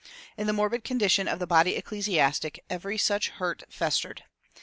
In the morbid condition of the body ecclesiastic every such hurt festered.